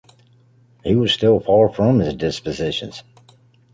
He was still far from his dispositions.